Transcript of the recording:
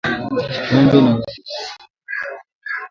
Ng'ombe na ngamia